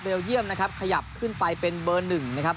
เยี่ยมนะครับขยับขึ้นไปเป็นเบอร์หนึ่งนะครับ